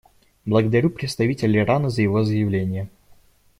Благодарю представителя Ирана за его заявление.